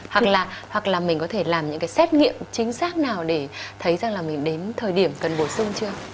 hoặc là hoặc là mình có thể làm những cái xét nghiệm chính xác nào để thấy rằng là mình đến thời điểm cần bổ sung chưa